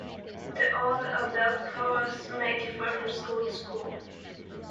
The order of belt colours may differ from school to school.